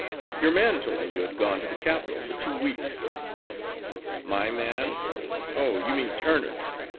"Your man told me you had gone to the capital for two weeks." "My man? Oh, you mean Turner!